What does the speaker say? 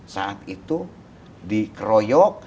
saat itu dikeroyok